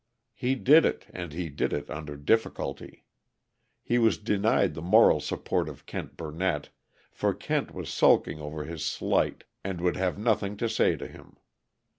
He did it, and he did it under difficulty. He was denied the moral support of Kent Burnett, for Kent was sulking over his slight, and would have nothing to say to him.